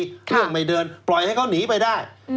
เครื่องไม่เดินปล่อยให้เขาหนีไปได้